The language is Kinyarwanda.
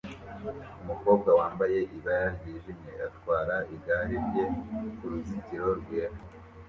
Umukobwa wambaye ibara ryijimye atwara igare rye kuruzitiro rwera